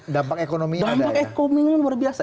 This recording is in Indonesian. dampak ekonominya luar biasa